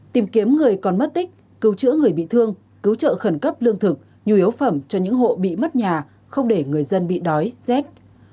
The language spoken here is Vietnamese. tìm kiếm người còn mất tích cứu chữa người bị thương cứu trợ khẩn cấp lương thực nhu yếu phẩm cho những hộ bị mất nhà không để người dân bị đói rét